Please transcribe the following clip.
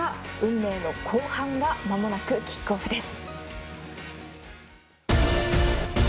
運命の後半がまもなくキックオフです。